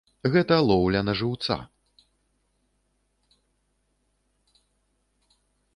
Гэта лоўля на жыўца.